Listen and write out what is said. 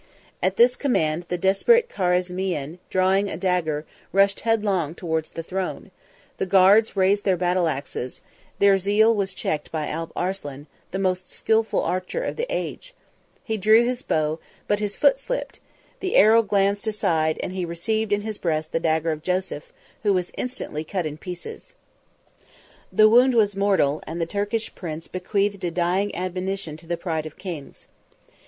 At this command, the desperate Carizmian, drawing a dagger, rushed headlong towards the throne: the guards raised their battle axes; their zeal was checked by Alp Arslan, the most skilful archer of the age: he drew his bow, but his foot slipped, the arrow glanced aside, and he received in his breast the dagger of Joseph, who was instantly cut in pieces. The wound was mortal; and the Turkish prince bequeathed a dying admonition to the pride of kings.